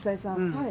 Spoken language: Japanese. はい。